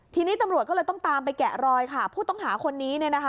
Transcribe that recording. ทีนี้ตำรวจก็เลยต้องตามไปแกะรอยค่ะผู้ต้องหาคนนี้เนี่ยนะคะ